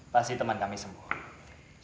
pasti teman kami sembuh